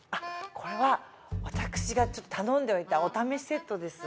これは私が頼んでおいたおためしセットです。